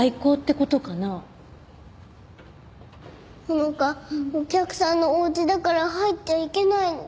穂花お客さんのお家だから入っちゃいけないの。